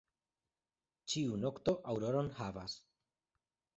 Ĉiu nokto aŭroron havas.